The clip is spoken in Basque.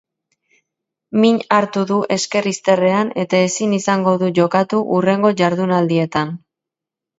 Min hartu du esker izterrean eta ezin izango du jokatu hurrengo jardunaldietan.